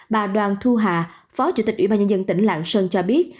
bà đoàn thu hà phó chủ tịch ủy ban nhân dân tỉnh lạng sơn cho biết